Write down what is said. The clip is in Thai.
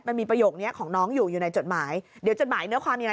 ประโยคนี้ของน้องอยู่อยู่ในจดหมายเดี๋ยวจดหมายเนื้อความยังไง